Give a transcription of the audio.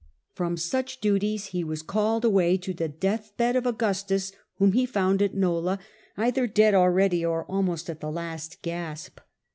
From such duties he was called away to the death Recaiiedto bed of Augustus, whom he found at Nola, either dead alre^y or almost at the last Augustus. gasp.